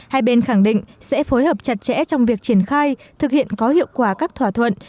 hai bên khẳng định sẽ phối hợp chặt chẽ trong việc triển khai thực hiện có hiệu quả các thỏa thuận